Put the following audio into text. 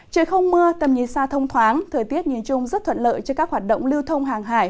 trời không mưa tầm nhìn xa thông thoáng thời tiết nhìn chung rất thuận lợi cho các hoạt động lưu thông hàng hải